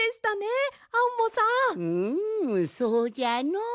うんそうじゃのう。